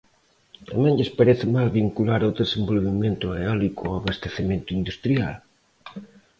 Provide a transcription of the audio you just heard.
¿Tamén lles parece mal vincular o desenvolvemento eólico ao abastecemento industrial?